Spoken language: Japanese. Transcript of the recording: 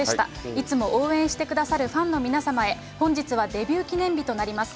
いつも応援してくださるファンの皆様へ、本日はデビュー記念日となります。